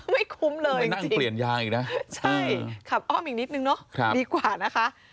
ไม่คุ้มเลยจริงใช่ขับอ้อมอีกนิดหนึ่งเนอะดีกว่านะคะไม่คุ้มเลยไม่นั่งเปลี่ยนยางอีกนะ